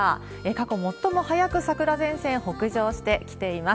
過去最も早く桜前線北上してきています。